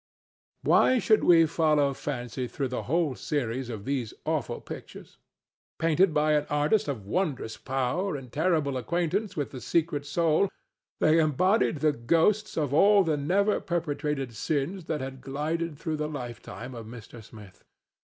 Why should we follow Fancy through the whole series of those awful pictures? Painted by an artist of wondrous power and terrible acquaintance with the secret soul, they embodied the ghosts of all the never perpetrated sins that had glided through the lifetime of Mr. Smith.